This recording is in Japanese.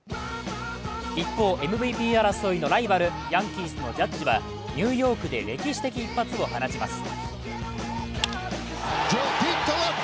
一方、ＭＶＰ争いのライバルヤンキースのジャッジはニューヨークで歴史的一発を放ちます。